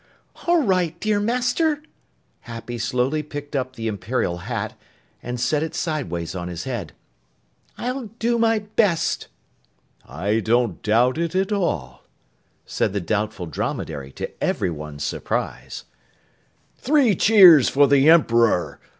"All right, dear Master!" Happy slowly picked up the Imperial hat and set it sideways on his head. "I'll do my best." "I don't doubt it at all," said the Doubtful Dromedary to everyone's surprise. "Three cheers for the Emperor!